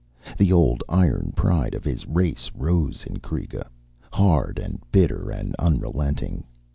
The old iron pride of his race rose in Kreega, hard and bitter and unrelenting.